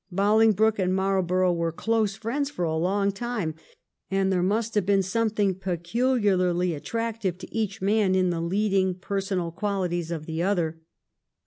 Bolingbroke and Marlborough were close friends for a long time, and there must have been something peculiarly attractive to each man in the leading personal qualities of the other.